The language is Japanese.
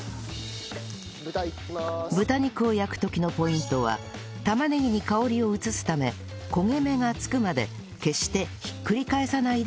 豚肉を焼く時のポイントは玉ねぎに香りを移すため焦げ目がつくまで決してひっくり返さないで焼く事